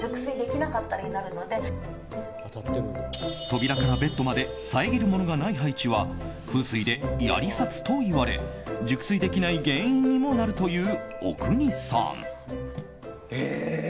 扉からベッドまで遮るものがない配置は風水で槍殺といわれ熟睡できない原因にもなるという阿国さん。